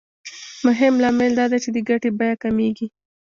مهم لامل دا دی چې د ګټې بیه کمېږي